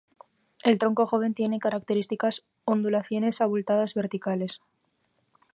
El tronco joven tiene características ondulaciones abultadas verticales.